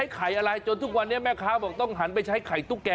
ก็ขึ้นอีก